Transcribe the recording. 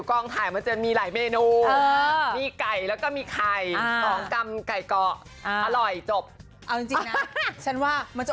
ก็เป็นคุณจริง